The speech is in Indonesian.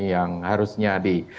yang harusnya di